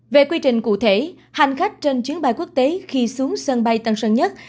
về quy trình cụ thể hành khách trên chuyến bay quốc tế khi xuống sân bay tân sơn nhất